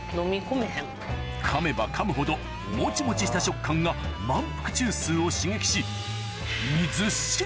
かめばかむほどモチモチした食感が満腹中枢を刺激し厳しい。